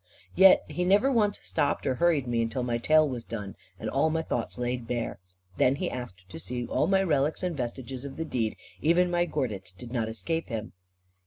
Yet he never once stopped or hurried me, until my tale was done, and all my thoughts laid bare. Then he asked to see all my relics and vestiges of the deed; even my gordit did not escape him.